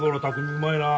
うまいな。